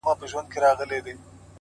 هره هڅه د اعتماد کچه لوړوي،